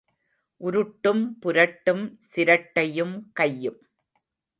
உருட்டும் புரட்டும் சிரட்டையும் கையும்.